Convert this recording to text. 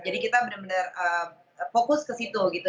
jadi kita benar benar fokus ke situ gitu